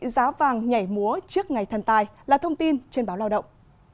giá vàng nhảy múa trước ngày thần tài là thông tin trên báo lao động